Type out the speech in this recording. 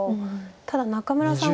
ただ仲邑さん